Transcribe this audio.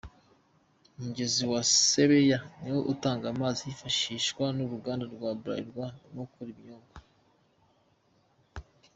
Umugezi wa Sebeya ni wo utanga amazi yifashishwa n’uruganda rwa Bralirwa rukora ibinyobwa.